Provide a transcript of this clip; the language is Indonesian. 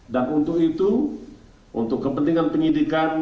dan untuk itu untuk kepentingan penyidikan